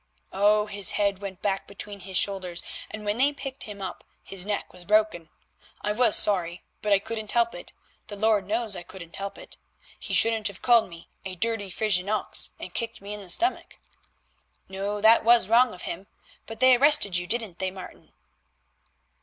"Oh, his head went back between his shoulders, and when they picked him up, his neck was broken. I was sorry, but I couldn't help it, the Lord knows I couldn't help it; he shouldn't have called me 'a dirty Frisian ox' and kicked me in the stomach." "No, that was very wrong of him. But they arrested you, didn't they, Martin?"